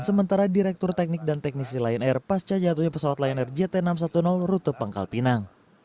sementara direktur teknik dan teknisi lion air pasca jatuhnya pesawat lion air jt enam ratus sepuluh rute pangkal pinang